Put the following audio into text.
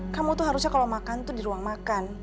kamu tuh harusnya kalau makan tuh di ruang makan